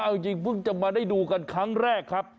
ว่าจริงเพิ่งจะมาด้วยดูกันครั้งแรก